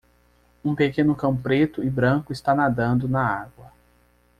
Um pequeno cão preto e branco está nadando na água.